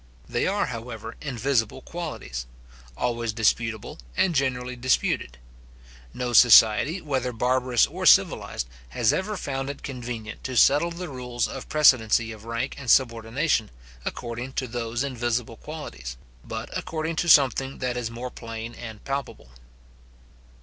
They are however, invisible qualities; always disputable, and generally disputed. No society, whether barbarous or civilized, has ever found it convenient to settle the rules of precedency of rank and subordination, according to those invisible qualities; but according to something that is more plain and palpable.